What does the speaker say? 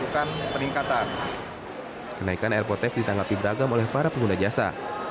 kenaikan airport tax ditanggapi beragam oleh para pengguna jasa